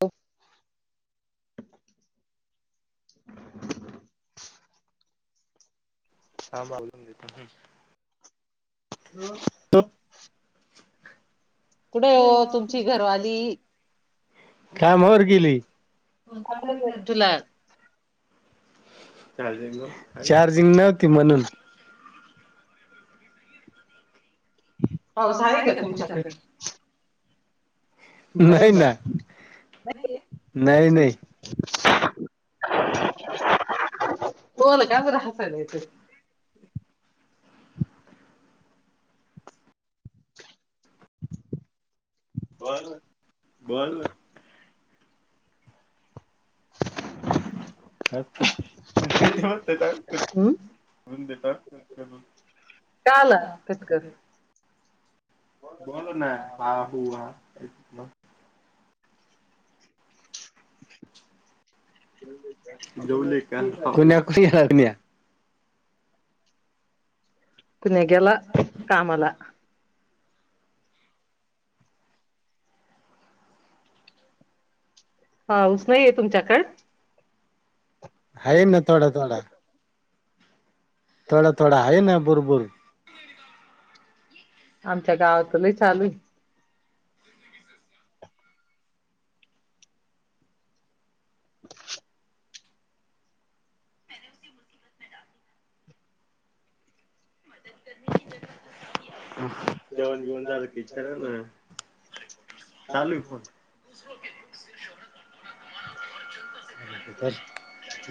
अ [unintelligible] [inaudible] [unintelligible] सांबा [unintelligible] आलून देत हम [unintelligible] कुठय ओ तुमची घरवाली कामावर गेली तुला चार्जिंग नव्हती म्हणून पाऊस आहे का तुमच्याकडे नाही ना नाही नाही बोल काय बर हसल्यास बर बोल तते [unintelligible] ह हम्म ह [unintelligible] का आला कट कर बोल ना आ हु हा ह् [unintelligible] जाऊ कान्या कुणीन्या कुण्या गेला कामाला पाऊस नाहीय तुमच्याकडं? आहे ना थोडा थोडा थोड थोडा आहे ना बुरबुर आमच्या गावातूनही चालू आहे. जेवण बीवण झालं का विचारा ना? चालू ांले आहे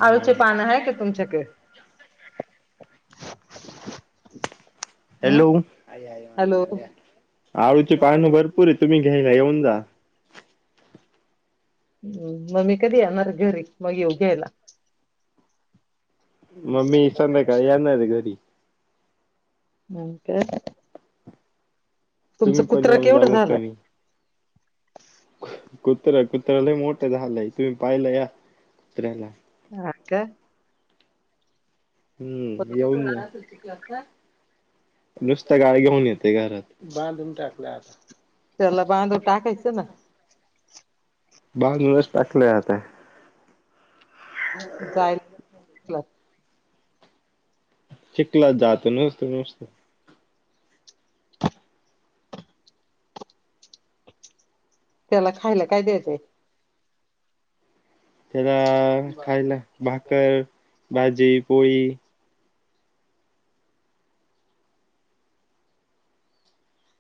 मा आळूचे का पानं आहे आहेु तुमच्याकडे हम्म हॅलो. हॅलो आळूची पान भरपूर आहे तुम्ही घ्यायला येऊन जा मम्मी कधी येणार घरी मग येऊ घ्यायला मम्मी सध्याकाळी येणार आहे घरी मग काय? तुमचा तुम्ही पण कुत्रा येऊन केवढं झालंय कुत्रा लय मोठं झालंय तुम्ही पाहिलं या कुत्र्याला हा का? हम्म येऊन नुसत्या गाळी घेऊन येते घरात बांधून टाकलं आता त्याला बांधून टाकायच ना बाधूनच टाकलंय आता जायला चिखलात जात नसतं तुम्ही त्याला खायला काय द्यायचंय? त्याला खायला भाकर भाजी पोळी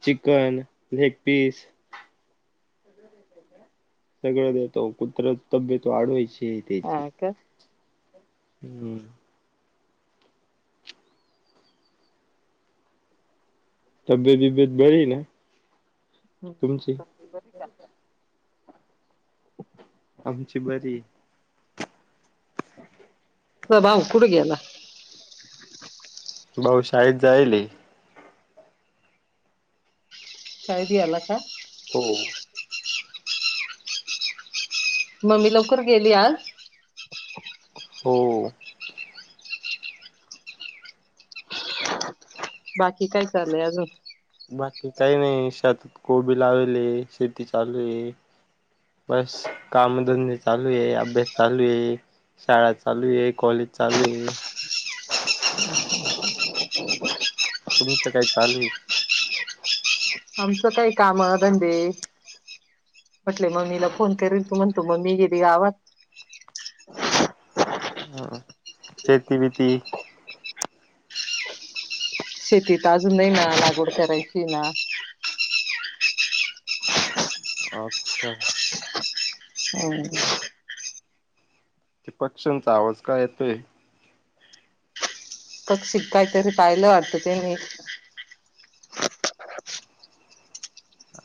चिकन लेग पीस सगळं देतो कुत्र तब्येत वाढवायची त्याची हा का हम्म. तब्येत विबेत बरी ना? तुमची हम्म बरी का? आमची बरी. तुझा भाऊ कुड गेला? भाऊ शाळेत जाईल शाळेत याला का हो. मम्मी लवकर गेली आज? हो. बाकी काय चालू आहे अजून? बाकी काही नाही शेतात कोबी लावले शेती चालू आहे बस कामधंदी चालू आहे अभ्यास चालू आहे. शाळा चालू आहे कॉलेज चालू आहे. तुमचं काही चालू? आमचं काही काम धंदे म्हटले मम्मीला फोन करील तू म्हणतो मम्मी गेली गावात हम शेती बीती शेतीत अजून नाही ना लागवड करायची ना अच्छा हो ते पक्ष्यांचा आवाज का येतोय? पक्षी कायतरी पाहिलं वाटत ते मी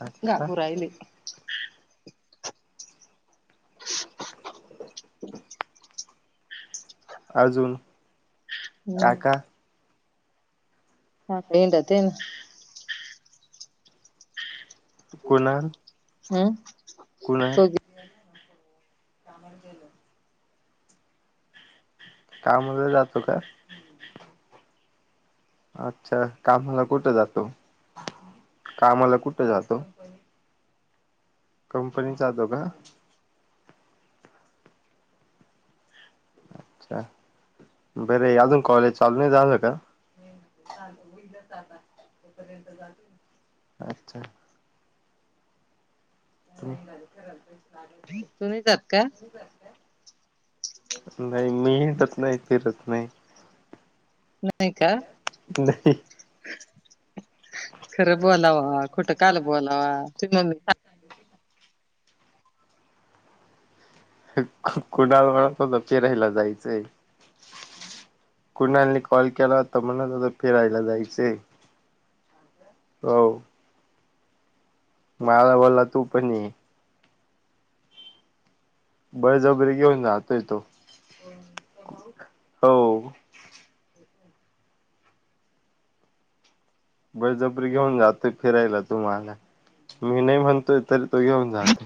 अच्छा अजून काका ह [unintelligible] कुणाल हम्म कुणाल तो गे- काममध्ये जातो का अच्छा कामाला कुठ जातो कामाला कुठं जातो? कंपनीत जातो का? अच्छा बरे अजून कॉलेज चालून नाही झाल का? [unintelligible] [unintelligible] तुम्हीेच आहात का? नाही मी हिडत नाही फिरत नाही नाहीय का? नाही खरं बोलाव कुठं काल बोलावा कुणाल म्हणत होता फिरायला जायचंय कुणालनी कॉल केला होता म्हणत होता फिरायला जायचे हो मला बोला तू पण ये बळ जबरी घेऊन जातोय तो हो बळजबरी घेऊन जातो फिरायला तुम्हाला मी नाही म्हणतोय तरी तो घेऊन जात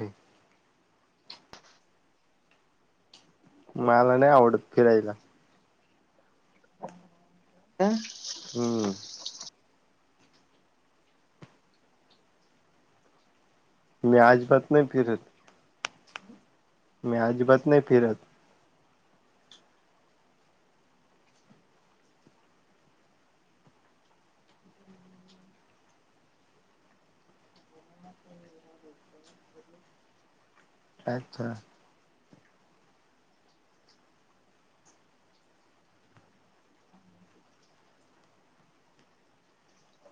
मला नाही आवडत फिरायला हम हम्म मी आजीबात नाही फिरत मी अजीबात नाही फिरत अच्छा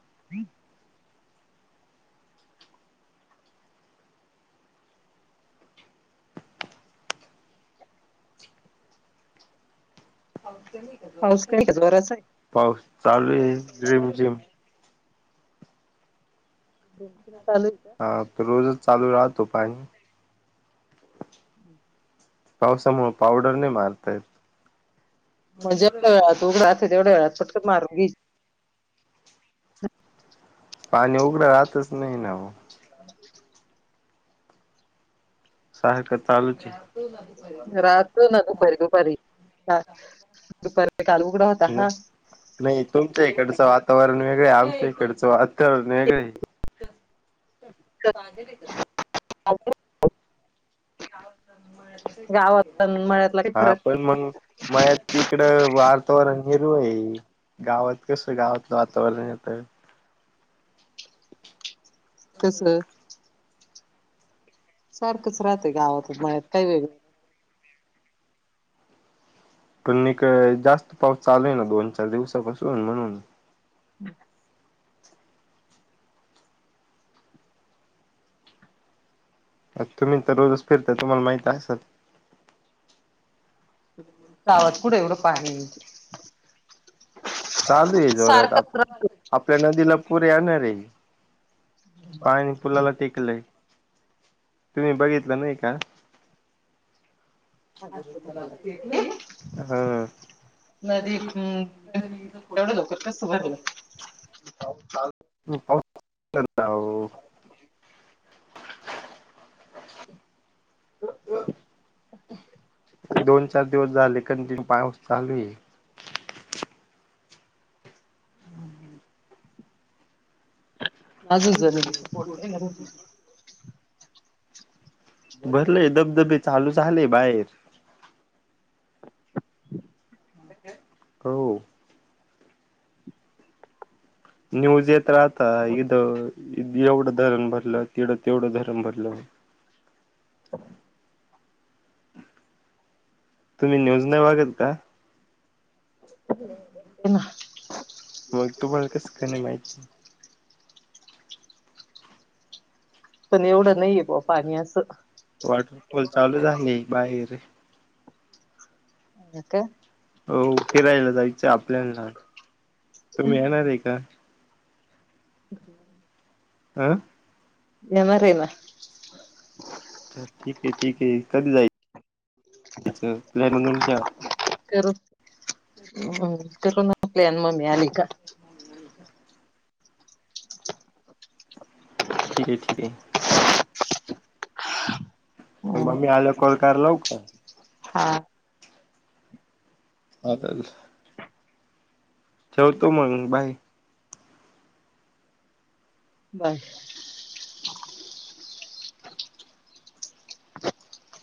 [unintelligible] पाऊस काही का जोराचा पाऊस चालू आहे रिमझिम बिकुल हा तर रोजच चालू राहतो पाणी [unintelligible] पावसामुळे पावडर नाही मारता येत मग जेवढ वेळात त उघडा तेवढ्या वेळात पटकन मारून घ्यायची ह पाणी उघडं राहतच नाही ना [unintelligible] सारखं चालूच आहे राहत ना दुपारी दुपारी ह दुपारी नाही. [unintelligible] नाही तुमच्या इकडचं वातावरण वेगळं आमच्या इकडचं वातात्यावरण वेगळं पागल आहे का तू [unintelligible] गावात अन मळ्यातला काही हा फरक पण मग म तिकड वारातावरण निरू आहे गावात कस गावातलं वातावरण येत कसं सारखंच राहतंय गावातचत काही वेगळं पण नक जास्त पाऊस चालूय ना दोन चार दिवसापासून म्हणून हम् अ तुम्ही तर रोजच फिरता तुम्हाला माहित असल गावात कुठं एवढं पाणी चालू आहे जोरात आ सारखंच राहत आपल्या नदीला पुरे येणार आहे पाणी पुुलाला टेकलंय. तुम्ही बघितलं नाही का? ह नदी हम्म. तेवढ लोकर कसं भरलं? [unintelligible] [unintelligible] दोन चार दिवस झाले कण तीन पास चालू आहे. [unintelligible] भरलय धबधबे चालू झाले बाहेर. हो. न्यूज येत राहता इथ एवढं धरण भरलं तढं तेवढं धरण भरलं. [inaudible] तुम्ही न्यूज नाही वागत का? ते ना मग तुम्हाला कस का नाही माहिती? पण एवढं नाहीये बुवा पाणी असं वॉटरफॉल चालू झाले बाहेर. अक हो फिरायला जायचं आपल्या, तुम्ही येणार आहे का? [unintelligible] आं येनारये ना. तर ठीक आहे ठीक आहे कधी जायचयच प्लॅन म्हणून ठेवा. करम् कर ना आपल्यान मम्मी आली का. ठीक आहे ठीक आहे. मग मम्मी आल्यावर कॉल कराय लाऊ का? हा. अ ठेवतो मग बाय. बाय. [inaudible]